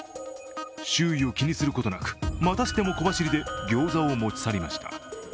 周囲を気にすることなくまたしても小走りで餃子を持ち去りました。